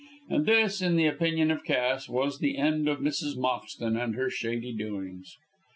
And this in the opinion of Cass was the end of Mrs. Moxton and her shady doings.